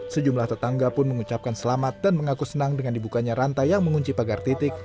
sejumlah tetangga pun mengucapkan selamat dan mengaku senang dengan dibukanya rantai yang mengunci pagar titik